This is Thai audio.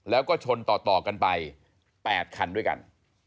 แล้วก็ชนต่อกันไป๘คันด้วยกัน